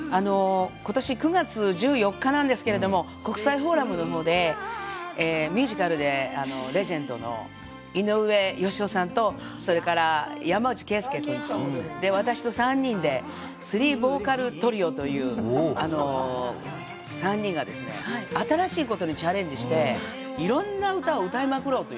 ことし９月１４日なんですけれども、東京国際フォーラムのほうでミュージカルでレジェンドの井上芳雄さんとそれから、山内惠介君と、私と３人でスリー・ボーカル・トリオという３人がですね、新しいことにチャレンジして、いろんな歌を歌いまくろうと。